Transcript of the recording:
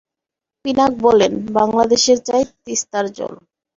পিনাক বলেন, বাংলাদেশের চাই তিস্তার জল।